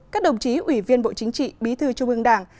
các đồng chí ủy viên bộ chính trị bí thư trung ương đảng